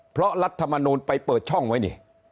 เพราะรัฐมนูลไปเปิดช่องไว้นี่